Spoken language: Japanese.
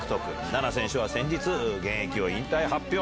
菜那選手は先日、現役を引退発表。